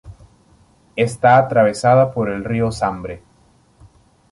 Está atravesada por el río Sambre.